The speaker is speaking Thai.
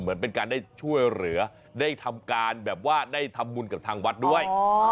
เหมือนเป็นการได้ช่วยเหลือได้ทำการแบบว่าได้ทำบุญกับทางวัดด้วย